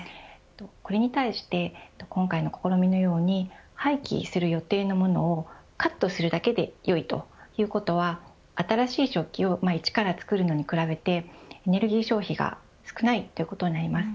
これに対して今回の試みのように廃棄する予定のものをカットするだけでよいということは新しい食器を１から作るのに比べてエネルギー消費が少ないということになります。